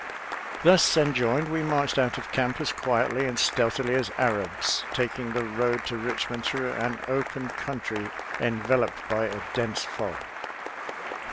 Thus en joined, we marched out of camp as quietly and stealthily as Arabs, taking the road to Kichmond through an open country enveloped by a dense fog.